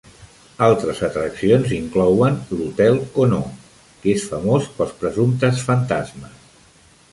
Altres atraccions inclouen l'Hotel Conneaut, que és famós pels presumptes fantasmes.